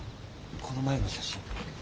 この前の写真。